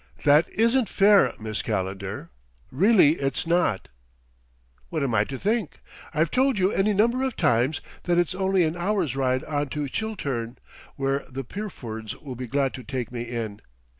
"That isn't fair, Miss Calendar. Really it's not." "What am I to think? I've told you any number of times that it's only an hour's ride on to Chiltern, where the Pyrfords will be glad to take me in.